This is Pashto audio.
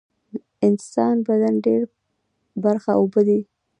د انسان بدن ډیره برخه اوبه دي